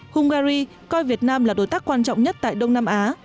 hungary coi việt nam là đối tác quan trọng nhất tại đông nam á